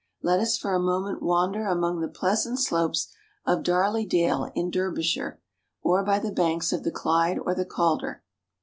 Let us for a moment wander among the pleasant slopes of Darley dale in Derbyshire, or by the banks of the Clyde or the Calder.